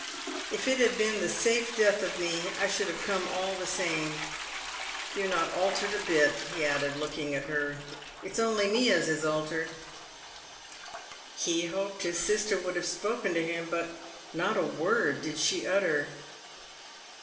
If it had been the safe death of me, I should have come all the same. You're not altered a bit," he added, looking at her ;" it's only me as is altered." He hoped his sister would have spoken to him, but not a word did she utter.